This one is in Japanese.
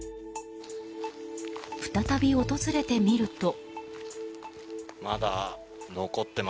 再び訪れてみると。